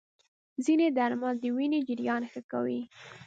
ځینې درمل د وینې جریان ښه کوي.